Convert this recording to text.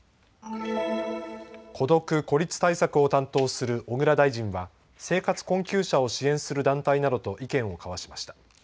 孤独・孤立対策を担当する小倉大臣は生活困窮者を支援する団体などと意見を交わしました。